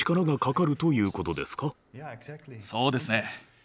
そうですね。